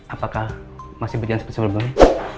apakah masih berjanji seperti sebelum ini